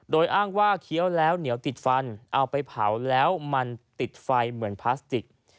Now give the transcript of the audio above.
โดยอ้างว่าเคี้ยวแล้วเหนียวติดฟันเอาไปเผาแล้วมันติดไฟเหมือนพลาสติก